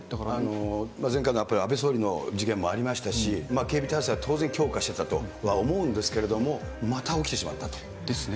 前回のやっぱり安倍総理の事件もありましたし、警備態勢は当然、強化してたとは思うんですけれども、また起きてですね。